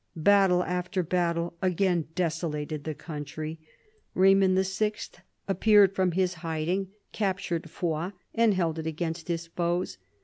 Battle after battle again desolated the country. Eaymond VI. appeared from his hiding, captured Foix, and held it against his foes.